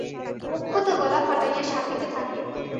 মোক্ষদা গলা ফাটাইয়া শাপিতে থাকে।